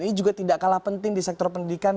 ini juga tidak kalah penting di sektor pendidikan